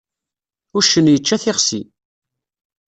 Uccen yečča tixsi.